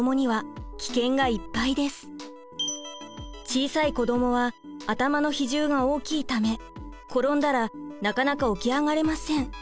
小さい子どもは頭の比重が大きいため転んだらなかなか起き上がれません。